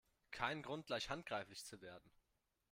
Kein Grund, gleich handgreiflich zu werden!